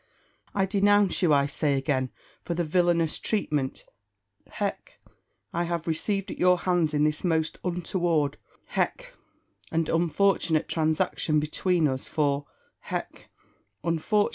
I denounce you, I say again, for the villainous treatment (hech!) I have received at your hands in this most untoward (hech!) and unfortunate transaction between us; for (hech!)